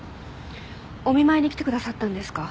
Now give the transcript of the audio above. お見舞いに来てくださったんですか？